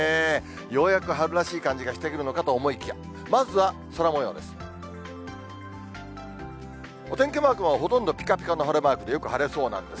ようやく春らしい感じがしてくるのかと思いきや、まずは空もようです。